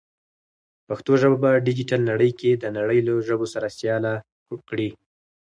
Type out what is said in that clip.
پښتو ژبه په ډیجیټل نړۍ کې د نړۍ له ژبو سره سیاله کړئ.